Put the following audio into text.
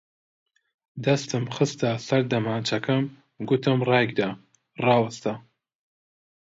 دەستم خستە سەر دەمانچەکەم، گوتم ڕایگرە! ڕاوەستا